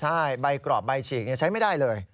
ใช่ใบกรอบใบฉีกใช้ไม่ได้เลย